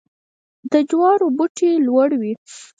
د جوارو بوټی لوړ وي.